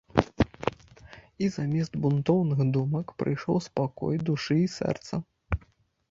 І замест бунтоўных думак прыйшоў спакой душы і сэрца.